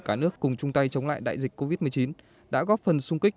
cả nước cùng chung tay chống lại đại dịch covid một mươi chín đã góp phần sung kích